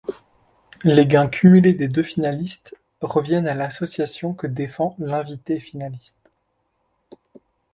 Les gains cumulés des deux finalistes reviennent à l'association que défend l'invité finaliste.